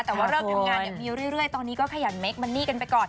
แต่ว่าเลิกทำงานเนี่ยมีเรื่อยตอนนี้ก็ขยันเคคมันนี่กันไปก่อน